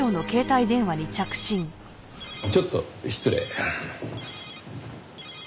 ちょっと失礼。